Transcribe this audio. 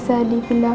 fada meng giant